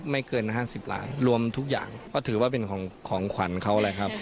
ไม่เกิน๕๐ล้านรวมทุกอย่างก็ถือว่าเป็นของขวัญเขาแหละครับ